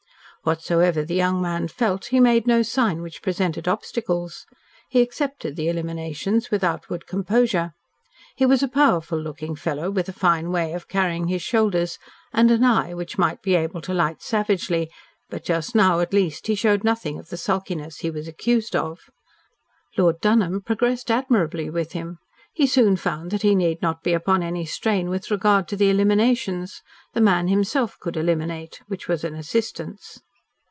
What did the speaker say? Whatsoever the young man felt, he made no sign which presented obstacles. He accepted the eliminations with outward composure. He was a powerful looking fellow, with a fine way of carrying his shoulders, and an eye which might be able to light savagely, but just now, at least, he showed nothing of the sulkiness he was accused of. Lord Dunholm progressed admirably with him. He soon found that he need not be upon any strain with regard to the eliminations. The man himself could eliminate, which was an assistance.